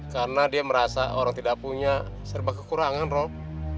karena dia merasa orang tidak punya serba kekurangan rob